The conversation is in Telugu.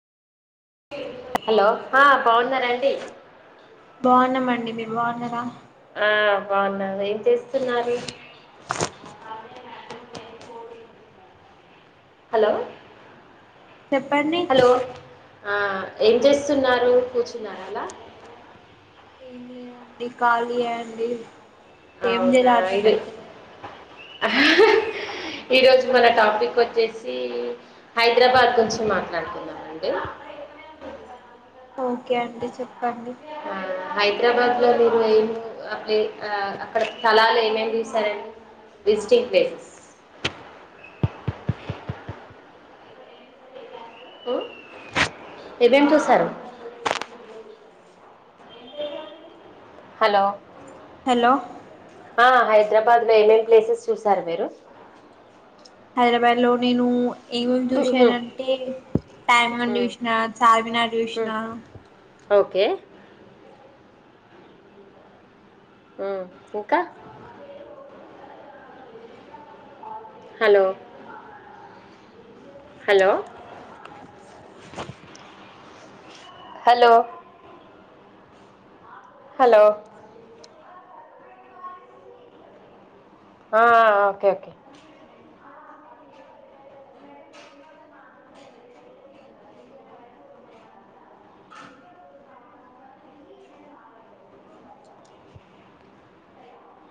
హలో ఆ బావున్నారా అండి మీర్ బావున్నారా ఆ బాగున్నా ఏం చేస్తున్నారు హలో చెప్పండి హలో ఆ ఏం చేస్తున్నారు కూర్చున్నారలా ఏం లేదండి ఖాళీయే అండి ఏం జేయలో అర్థం అయితలేదండి ఆ అహ్ ఈరోజు మన టాపిక్ వొచ్చేసి హైద్రాబాద్ గురించి మాట్లాడుకుందామండి ఓకే అండి చెప్పండి హైద్రాబాద్ లో మీరు ఏము అ ప్లే ఆ అక్కడ స్థలాలు ఏమేం జూసారండి విసిటింగ్ ప్లేసెస్ ఏమేం చూసారు హలో హలో ఆ హైద్రాబాద్ లో ఏమేం ప్లేసెస్ చూసారు మీరు హైరాబాద్ లో నేను ఏమేం ఉమ్ జూశారంటే ట్యాంక్ బండ్ ఉమ్ జూశ్నా చార్మినార్ ఉమ్ జూశ్నా ఓకే ఊ ఇంకా హలో హలో హలో హలో ఆ ఆ ఓకే ఓకే